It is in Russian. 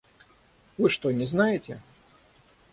Вы что, не знаете?